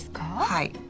はい。